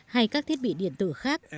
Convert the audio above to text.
hay các thiết bị điện tử khác